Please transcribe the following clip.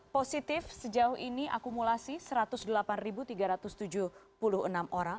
positif sejauh ini akumulasi satu ratus delapan tiga ratus tujuh puluh enam orang